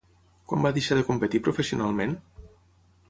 Quan va deixar de competir professionalment?